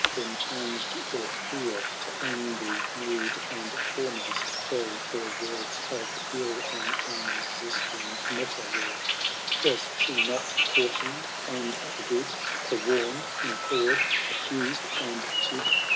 Then changed their fear to azigry moed, And foremost feU their words of ill On unresisting Metelill : Was she not cautioned and forbid. Forewarned, implored, accused, and chid.